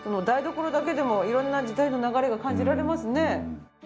台所だけでも色んな時代の流れが感じられますね。